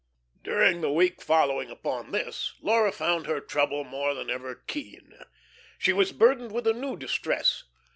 During the week following upon this, Laura found her trouble more than ever keen. She was burdened with a new distress.